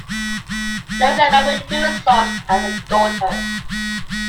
Low is married with two sons and a daughter.